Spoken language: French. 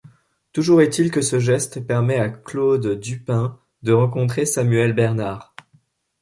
Toujours est-il que ce geste permet à Claude Dupin de rencontrer Samuel Bernard.